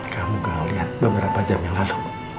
kamu gak lihat beberapa jam yang lalu